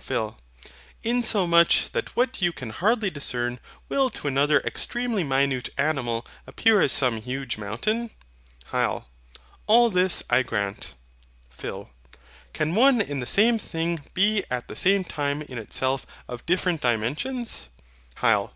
PHIL. Insomuch that what you can hardly discern will to another extremely minute animal appear as some huge mountain? HYL. All this I grant. PHIL. Can one and the same thing be at the same time in itself of different dimensions? HYL.